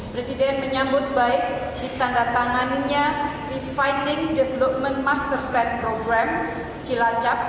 presiden menyambut baik ditanda tanganinya refining development master plan program cilacap